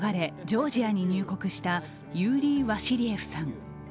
ジョージアに入国したユーリー・ワシリエフさん。